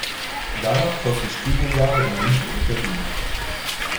Danach folgten Studienjahre in München und Berlin.